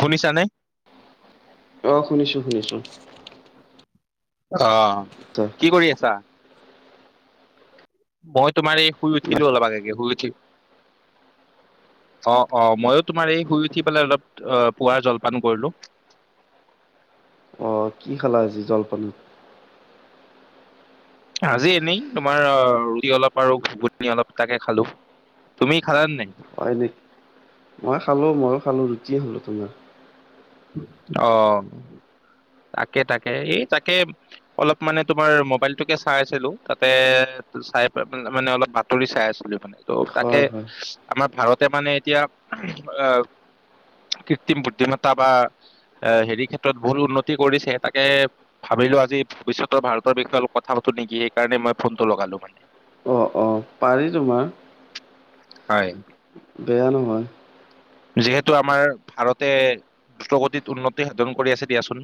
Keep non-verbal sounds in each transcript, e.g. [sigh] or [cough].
শুনিছানে? অ, শুনিছোঁ- শুনিছোঁ। অ। ত'। কি কৰি আছা? মই তোমাৰ এই শুই না উঠিলোঁ। অলপ আগে শুই উঠিলোঁ। অ- অ, মইও তোমাৰ এই শুই উঠি পেলাই অলপ অ, পুৱাৰ জলপান কৰিলোঁ। অ, কি খালা আজি জলপানত? আজি আমি তোমাৰ আৰু ৰুটি অলপ আৰু ঘূগুনি তাকে খালোঁ। তুমি খালা নে নাই? মই খালোঁ, মইও খালোঁ ৰুটিয়ে হ'লো তোমাৰ। অ'। তাকে, তাকে, এই তাকে অলপ মানে তোমাৰ মোবাইলটোকে চাই আছিলোঁ। তাতে- চাই মানে অলপ বাতৰি চাই আছিলোঁ মানে। ত' তাকে হয় হয় আমাৰ ভাৰতে মানে এতিয়া [unintelligible] কৃত্ৰিম বুদ্ধিমাতা বা এ হেৰি ক্ষেত্ৰত ভুল উন্নতি কৰিছে। তাকে, ভাবিলোঁ আজি ভৱিষ্যতৰ ভাৰতৰ বিষয়ে অলপ কথা পাতোঁ নেকি? সেইকাৰণে মই ফোনটো লগালোঁ মানে। অ' অ' পাৰি তোমাৰ। হয়। বেয়া নহয়। যিহেতু আমাৰ ভাৰতে দ্ৰুত গতিত উন্নতি সাধন কৰি আছে দিয়াছোন।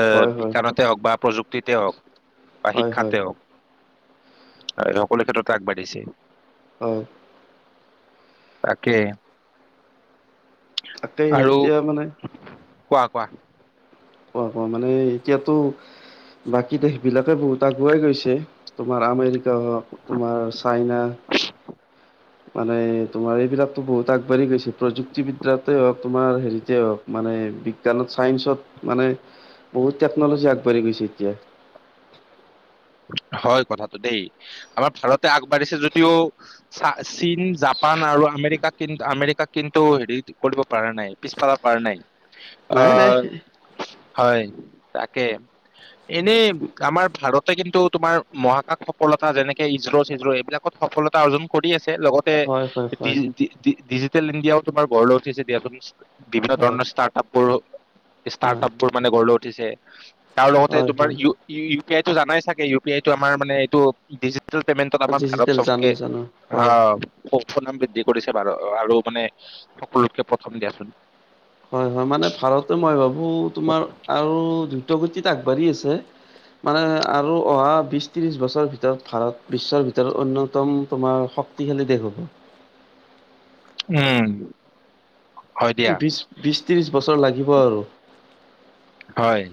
এ হয় হয় বিজ্ঞানতে হওক বা প্ৰযুক্তিতে হওক বা হয় হয় শিক্ষাতে হওক। আৰু সকলো ক্ষেত্ৰতে আগবাঢ়িছে। হয়। তাকে, তাকেই আৰু, এতিয়া মানে কোৱা কোৱা। কোৱা কোৱা মানে, এতিয়াতো বাকী দেশ বিলাকে বহুত আগুৱাই গৈছে। তোমাৰ আমেৰিকা হওক তোমাৰ চাইনা। মানে, তোমাৰ এইবিলাকতো বহুত আগবাঢ়ি গৈছে। প্ৰযুক্তিবিদ্যাতে হওক তোমাৰ হেৰিতে হওক। মানে বিজ্ঞানত চাইন্ঞ্চত মানে বহুত তেকনলজি আগবাঢ়ি গৈছে এতিয়া। হয় কথাটো দেই। আমাৰ ভাৰতে আগবাঢ়িছে যদিও চা চীন, জাপান আৰু আমেৰিকা কিন্ আমেৰিকা কিন্তু হেৰি কৰিব পৰা নাই। পিছফালা- পাৰা নাই। নাই নাই অ' হয়, তাকে। এনেই আমাৰ ভাৰত তে কিন্তু তোমাৰ মহাকাশ সফলতা যেনেকে ইশ্ৰ চিশ্ৰ এইবিলাকত সফলতা অৰ্জন কৰি আছে। লগত- তে হয় হয় হয় ডিজি ডি ডি ডিজিটেল ইণ্ডিয়াও তোমাৰ গঢ়লৈ উঠিছে দিয়াচোন। বিভিন্ন হয় ধৰণৰ ষ্টা হয় [unintelligible] মানে গঢ় লৈ উঠিছে। তাৰো লগতে হয় তোমাৰ হয় ইউ [unintelligible] পিয়াইত টো জানাই চাগে ইউ পি আই টো আমাৰ মানে এইটো ডিজি [unintelligible] আমাক ভাৰত ডিজিটেল [unintelligible] জানো জানো হয় সু সনাম বৃদ্ধি কৰিছে ভাৰ- আৰু মানে সকলোতকে প্ৰথম দিয়াচোন। হয় হয়। মানে ভাৰতে মই ভাবো তোমাৰ আৰু দ্ৰুত গতিত আগবাঢ়ি আছে। মানে আৰু অহা বিশ ত্ৰিশ বছৰ ভিতৰত ভাৰত বিশ্বৰ ভিতৰত অন্যতম তোমাৰ শ তিশালী দেশ হ'ব। উম। হয় দিয়া বিশ বিশ ত্ৰিশ বছৰ লাগিব আৰু। হয়।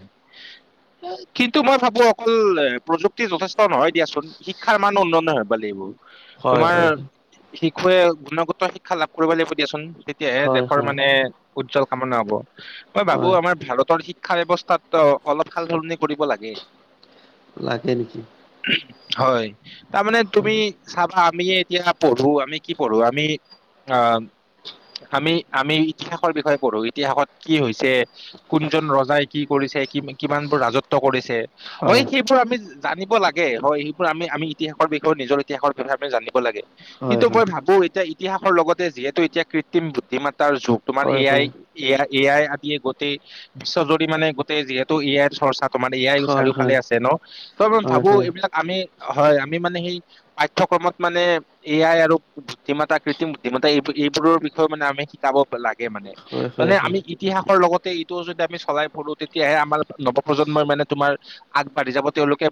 কিন্তু মই ভাবো অকল এ প্ৰযুক্তি যথেষ্ঠ নহয় দিয়াচোন। শিক্ষাৰ মান উন্ননয় ভাবিব লাগিব। হয় তোমাৰ হয় শিশুৱে গুণগত শিক্ষা লাভ কৰিব লাগিব দিয়াচোন। তেতিয়াহে হয় দেশৰ হয় মানে উজ্জ্বল কামনা হব। মই ভাবো হয় আমাৰ ভাৰতৰ শি ক্ষাৰ এৱস্থাত অ অলপ সাল সলনি কৰিব লাগে। লাগে নেকি? হয়। তামানে হয় তুমি, চাবা আমিয়ে এতিয়া পঢ়ো। আমি কি পঢ়ো? আমি আ আমি আমি ইতিহাসৰ বিষয়ে পঢ়ো। ইতিহাসত কি হৈছে? কোনজন ৰ জাই কি কৰিছে? কি কিমান বোৰ ৰাজত্ব কৰিছে? অ হয় সেইবোৰ আমি জানিব লাগে, হয়। সেইবোৰ আমি আমি ইতিহাসৰ বিষয়ে নিজৰ ইতিহাসৰ বিষয়ে আমি জানিব লাগে। হয় কিন্তু মই ভাবো এতিয়া ইতিহাসৰ লগতে যিহেতু এতিয়া কৃত্ৰিম বুদ্ধিমাত্তাৰ যুগ। তোমাৰ হয় এ আই হয় এ আই এ আই আদিয়ে গোটেই বিশ্বজুৰি মানে গোটেই যিহেতু এ আইৰ চৰ্চাত। তোমাৰ এয়াই হয় হয় হয় চাৰিওফালে আছে ন, ত হয় ভাবো হয় এইবিলাক আমি হয় আমি মানে সেই পাঠ্যক্ৰমত মানে এয়াই আৰু বুদ্ধিমতা কৃত্ৰম বুদ্ধিতা এইব এইবোৰৰ বিষয়ে মানে আমি শিকাব লাগে মানে, হয় হয় মানে হয় আমি ইতিহাসৰ লগতে ইটো যদি আমি চলাই সৰুো তেতিয়াহে আমাৰ নৱ প্ৰজন্মই মানে তোমাৰ আগবাঢ়ি যাব তেওঁলোকে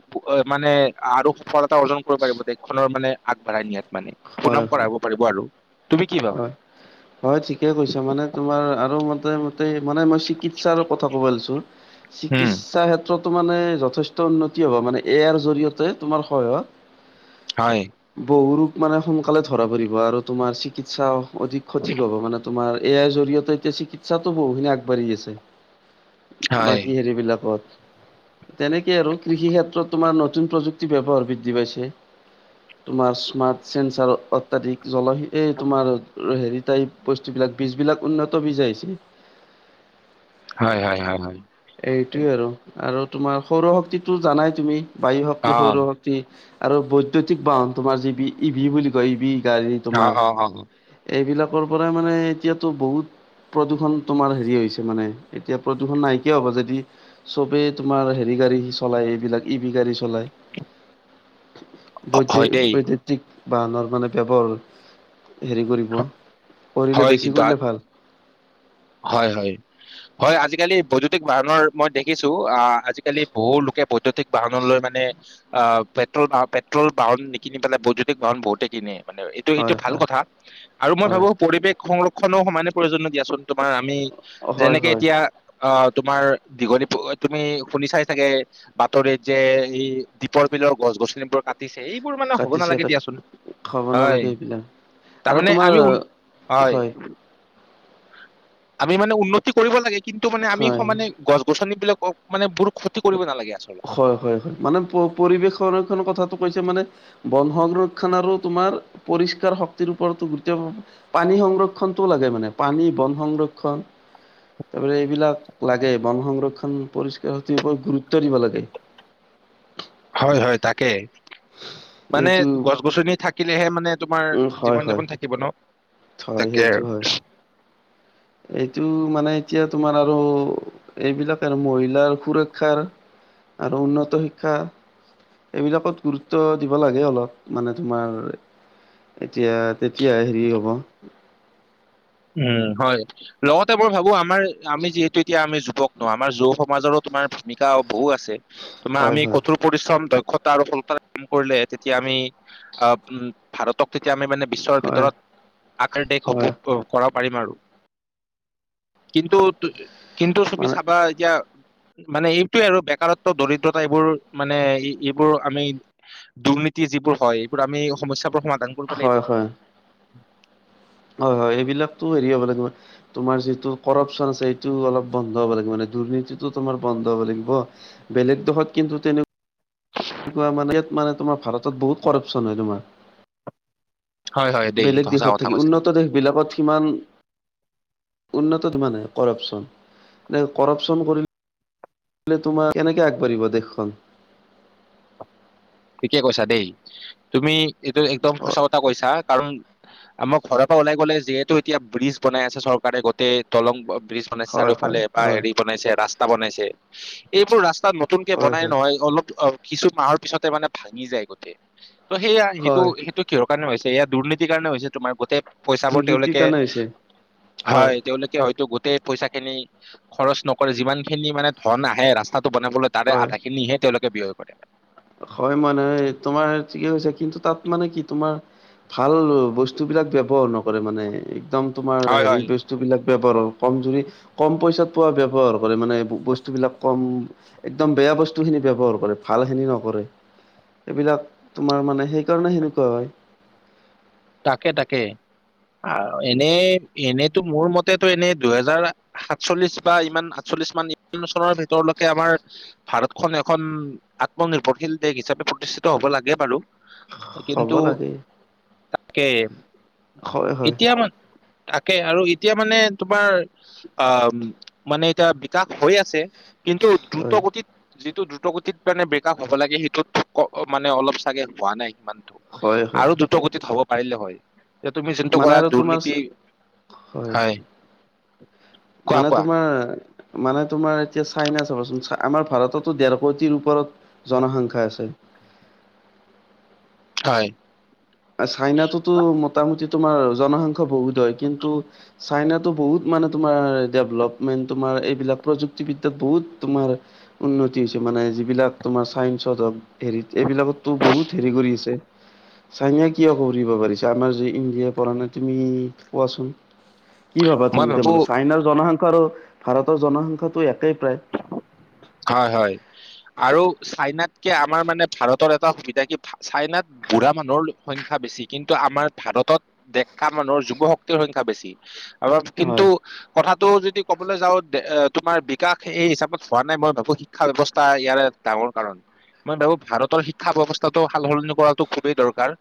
মানে আৰু সফলতা অৰ্জন কৰিব পাৰিব দেশখনৰ মানে আগবাঢ়াই নিয়াত। মানে সুনাম হয় হয় কৰাব পাৰিব আৰু। তুমি কি হয়। [unintelligible] হয় ঠিকে কৈছা, মানে তোমাৰ আৰু মোতে মট মানে মই চিকিৎসাৰো কথা কব লৈছো উম চিকিৎসা ক্ষেত্ৰতো মানে যথেষ্ট উন্নতি হ'ব মানে এয়াৰ জৰিয়তে তোমাৰ হৈহঁত। হয়। বহু ৰোগ মানে সোনকালে ধৰা পৰিব আৰু তোমাৰ চিকিৎসা অধিক সঠিক হ'ব, মানে তোমাৰ ইয়াৰ জৰিয়তে এতিয়া চিকিৎসাতো বহুখিনি আগবাঢ়ি আছে। হয় বাকী হেৰিবলাকত। তেনেকে আৰু কৃষি ক্ষেত্ৰত তোমাৰ নতুন প্ৰযুক্তি ব্যৱহাৰ বৃদ্ধি পাইছে। তোমাৰ স্মাৰ্ট চেঞ্চাৰ অত্যাধিক জলহী এই তোমাৰ হেৰি টাইপ বস্তুবিলাক বীজ বিলাক উন্নত বীজ আহিছে। হয় হয় হয় হয়। এইটোয়ে আৰু, আৰু তোমাৰ সৌৰু শক্তিতো জানাই তুমি বায়ু অ শক্তি সৌৰু শক্তি টি আৰু বৈদ্যতিক বাহন তোমাৰ যিবি ই ভি কয় ই বি গাড়ীত অ অ অ তোমাৰ এইবিলাকৰ পৰা মানে এতিয়াতো বহুত প্ৰদূষণ তোমাৰ হেৰি হৈছে মানে এতিয়া প্ৰদূষণ নাই। কিয় হ'ব যদি চবেই তোমাৰ হেৰি গাড়ী চলাই এইবিলাক ই ভ গাড়ী চলায়? [unintelligible] বৈ দেই বৈদ্যতিক বাহনৰ মানে কেৱল হেৰি কৰিব পঢ়িলে হয় বেছি কিন্তু আ- কৰিলে ভাল। হয় হয়, হয় আজিকালি বৈদ্যুতিক বাহৰ মই দেখিছো আ আজিকালি বহু লোকে বৈদ্যতিক বাহন লৈ মানে আহ পেট্ৰল পেট্ৰল বাহন নিকিনি পেলাই বৈদ্যুতিক বাহন বহুতে কিননে মানে এ টো এইটো হয় ভাল হয় কথা, আৰু মই হয় ভাবো পৰিৱেশ সংৰক্ষণো সমানে প্ৰয়োজনীয় দিয়াচোন, তোমাৰ আমি হয় যেনেকে হয় এতিয়া আহ তোমাৰ দীঘলী তুমি শুনি চাই চাগে বাতৰিত যে এই দীপৰ বিলৰ গছ গছনিবোৰ কাট দিছে এইবোৰ মানে হ'ব কাটিছে নালাগে কাট দিয়াচোন। খাব হয়। নালাগে এইবিলাক আৰু তাৰমানে তোমাৰ আমাও, হয়। আমি মানে উন্নতি কৰিব লাগে কিন্তু মানে আমি হয়, সমানে গছ গছনী বিলাক মানে বোৰ ক্ষতি কৰিব নালাগে আচলতে। হয় হয় হয়, মানে পৰিৱেশ সংৰক্ষণ কথাটো কৈছে মানে বন সংৰক্ষণ আৰু তোমাৰ পৰিষ্কাৰ শক্তিৰ ওপৰতো [inaudible] পানী সংৰক্ষণটোও লাগে মানে, পানী বন সংৰক্ষণ। তাৰপিছত এইবিলাক লাগে বন সংৰক্ষন পৰিস্কাৰ স ওপৰত গুৰুত্ব দিব লাগে। তে হয় হয় তাকে, মানে এইটো গছ গছনি থাক কিলেহে মানে তোমাৰ উম, হয়, জীৱন হয়, যাপন থাকিব ন? হয় তাকে সেইটো হয়। এইটো মানে এতিয়া তোমাৰ আৰু এইবিলাক আৰু মহিলাৰ সুৰক্ষাৰ আৰু উন্নত শিক্ষা এইবিলাকত গুৰুত্ব দিব লাগে অলপ মানে তোমাৰ এতিয়া, তেতিয়া হেৰি হ'ব। উম, হয় লগতে মই ভাবোঁ আমাৰ আমি যিহেতু এতিয়া আমি যুৱক নহয়, আমাৰ য সমাজৰো তোমাৰ ভূমিকা বহু আছে, তোমাৰ হয়, আমি হয়, কথোৰ পৰিশ্ৰম দক্ষতা আৰু ফলতা কাম কৰিলে তেতিয়া আমি আহ, ভাৰতক তেতিয়া আমি মানে বিশ্বৰ হয়, ভিতৰত আশাৰ দেশ হয়, হ'ব কৰা পাৰিম আৰু, কিন্তু-কিন্তু চবি মানে চাবা এতিয়া মানে এইটোৱে আৰু বেকাৰত্ব দৰিদ্ৰতা এইবোৰ মানে এইবোৰ আমি দুৰ্নীতি যিবোৰ হয়, এইবোৰ আমি সমস্যাবোৰ সমাধান কৰিব লাগিব হয়, হয়। হয়, হয় এইবিলাকতো হেৰি হ'ব লাগিব। তোমাৰ যিটো কৰপশ্যন আছে সটো অলপ বন্ধ হ'ব লাগিব। মানে দুৰ্নীতিটো তোমাৰ বন্ধ হ'ব লাগিব। বেলেগ দেশত কিন্তু তেনেকুৱা নহয়, মানে ইয়াত মানে তোমাৰ ভাৰতত বহুত কৰপশ্যন হয় তোমাৰ। হয় হয় দেই বেলেগ এইটো সঁচা দেশত কথা থাকি, কৈছা উন্নত তুমি দেশবিলাকত সিমান উন্নত মানে কৰাপশ্যন, নে কৰাপশ্যন কৰিলে কৰিলে তোমাৰ, কেনেকে আগবাঢ়িব দেশখন। ঠিকে কৈছা দেই, তুমি এইটো একদম সঁচা হয়, কথা কৈছা। কাৰণ আমাৰ ঘৰৰ পৰা ওলাই গ'লে যিহেতু এতিয়া ব্ৰিজ বনাই আছে চৰকাৰে গোটেই দলং ব্ৰিজ বনাই হয়, হয়, চাৰিওফালে বা হয়, হেৰি বনাইছে ৰাস্তা বনাইছে, এইবোৰ ৰাস্তাত নতুনকে হয়, বনাই হয়, নহয়, অলপ অহ কিছু মাহৰ পিছতে মানে ভাঙি যায় গোটেই। ত' সেয়া হয়, সেইটো-সেইটো কিহৰ কাৰণে হৈছে, এয়া দুৰ্নীতিৰ কাৰণে হৈছে। তোমাৰ গোটেই পইচাবোৰ দুৰ্নীতিৰ তেওঁলোকে কাৰণে হৈছে হয়, তেওঁলোকে হয়তো গোটেই পইচাখিনি খৰচ নকৰে, যিমানখিনি মানে ধন আহে ৰাস্তাটো বনাবলৈ তাৰে হয়। আধাখিনিহে তেওঁলোকে ব্যয় কৰে। হয় মানে তোমাৰ ঠিকে কৈছে, কিন্তু তাত মানে কি তোমাৰ ভাল বস্তুবিলাক ব্যৱহাৰ নকৰে মানে। একদম তোমাৰ হয় হেৰি হয় বস্তুবিলাক ব্যৱহাৰ কমজুৰি কম পইচাত পোৱা ব্যৱহাৰ কৰে মানে বস্তুবিলাক কম, একদম বেয়া বস্তুখিনি ব্যৱহাৰ কৰে, ভালখিনি ন নকৰে, এইবিলাক তোমাৰ মানে সেইকাৰণে সেনেকুৱা হয়। তাকে, তাকে। আহ, এনেই এনেইতো মোৰ মতেটো এনেই দুহেজাৰ সাতচল্লিশ বা ইমান আঠচল্লিশ মান ইমান চনৰ ভিতৰলৈকে আমাৰ ভাৰতখনন এখন আত্মনিৰ্ভৰশীল দেশ হিচাপে প্ৰতিষ্ঠিত হ'ব লাগে বাৰু। হ'ব কিন্তু লাগে। তাকে হয় হয় এতিয়া মানে তাকে আৰু এতিয়া মানে তোমাৰ আহ, মানে এতিয়া বিকাশ হৈ আছে কিন্তু দ্ৰুত হয় গতিত যিটো দ্ৰুতগতিত মানে ব্ৰেকআপ লাগে, মানে অলপ চাগে হোৱা নাই সিমানটো। হয় হয় আৰু দ্ৰুত গতিত 'হব পাৰিলে হয়। যে তুমি যোন্তো মানে কৰা আৰু তোমাৰ দুৰ্নীতি হয়। কোৱা মানে কোৱা তোমাৰ মানে তোমাৰ এতিয়া চাইনা চাবাচোন, আমাৰ ভাৰততো ডেৰ কোটিৰ ওপৰত জনসংখ্যা আছে। হয়। আৰু চাইনাটোতো মতামোটি তোমাৰ জনসংখ্যা বহুত হয়। কিন্তু, চাইনাটো বহুত মানে তোমাৰ ডেভলপমেণ্ট। তোমাৰ এইবিলাক প্ৰযুক্তিবিদ্যাত বহুত তোমাৰ উন্নতি হৈছে মানে, যিবিলাক তোমাৰ চাইন্সত হওক হেৰিত এইবিলাকতটো বহুত হেৰি কৰি আছে। চাইনাই কিয় কৰিব পাৰিছে, আমাৰ যে ইণ্ডিয়া পৰা নাই তুমি কোৱাচোন? কি ভাবা মই তুমি? ভাবো চাইনাৰ জনসংখ্যা আৰু ভাৰতৰ জনসংখ্যাটো একেই প্ৰায়। হয় হয় আৰু চাইনাতকে আমাৰ মানে ভাৰত এটা সুবিধা কি চাইনাত বুঢ়া মানুহৰ সংখ্যা বেছি। কিন্তু আমাৰ ভাৰতত ডেকা মানুহৰ যুৱ শক্তিৰ সংখ্যা বেছি। আৰু কিন্তু হয় কথাটো যদি ক'বলৈ যাওঁ, তোমাৰ বিকাশ এই হিচাপত। হোৱা নাই মই ভাবো শিক্ষাৰ ব্যৱস্থা ইয়াৰ এক ডাঙৰ কাৰণ। মই ভাবো ভাৰতৰ শিক্ষা ব্যৱস্থাটো সাল-সলনি কৰাটো খুবেই দৰকাৰ।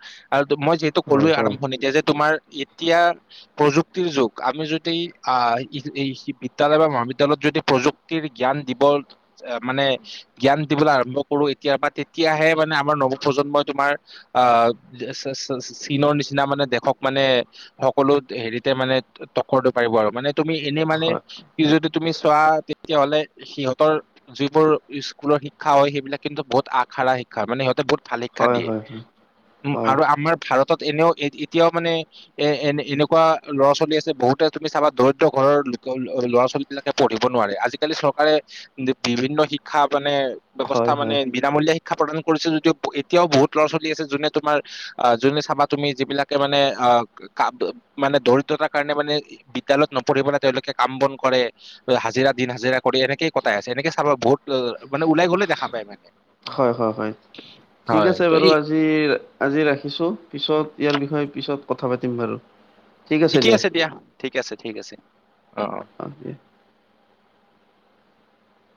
মই হয় ক'লোৱে হয় আৰম্ভণিতে যে তোমাৰ এতিয়া প্ৰযুক্তিৰ যুগ, আমি যদি আহ এই বিদ্যালয় বা মহাবিদ্যালয়ত যদি প্ৰযুক্তিৰ জ্ঞান দি বৰ মানে জ্ঞান দিবলৈ আৰম্ভ কৰো, এতিয়া বা তেতিয়াহে মানে আমাৰ নৱপ্ৰজন্মই তোমাৰ আহ, চীনৰ নিচিনা মানে দেশক মানে সকলো হেৰিতে মানে তক্কৰটো মাৰিব আৰু মানে তুমি এনে মানে হয় কি যদি তুমি চোৱা তেতিয়াহ'লে সিহঁতৰ যিবোৰ স্কুলৰ শিক্ষা হয়, সেইবিলাক কিন্তু বহুত আখাৰা শিক্ষা হয় মানে সিহঁতে বহুত ভাল শিক্ষা হয় দিয়ে, হয় উম হয় হয় আৰু আমাৰ ভাৰতত এনেও এতিয়াও মানে এ এনে এনেকুৱা ল'ৰা-ছোৱালী আছে বহুতে তুমি চাবা দৰিদ্ৰ ঘৰৰ ল'ৰা-ছোৱালী বিলাকে পঢ়িব নোৱাৰে, আজিকালি চৰকাৰে বিভিন্ন শিক্ষা মানে ব্যৱস্থা হয় মানে বিনামূলীয়া শিক্ষা প্ৰদান কৰিছে, যদিও এতিয়াও বহুত ল'ৰা-ছোৱালী আছে। যোনে তোমাৰ অ' যোনে চাবা তুমি যিবিলাকে মানে আ [unintelligible] মানে দৰিদ্ৰতাৰ কাৰণে মানে বিদ্যালয়ত নপঢ়ি পেলাই তেওঁলোকে কাম বন কৰে। হাজিৰা দিন হাজিৰা কৰি এনেকে কটাই আছে। এনেকে চাবা বহুত মানে ওলাই গ'লে দেখা পায় মানে। হয় হয় হয় ঠিক হয় আছে ত' বাৰু এই আজি আজি ৰাখিছো, পিছত ইয়াৰ বিষয়ে পিছত পাতিম বাৰু। ঠিকে আছে দিয়া ঠিকে আছে ঠিক আছে। অ' অ'! [unintelligible]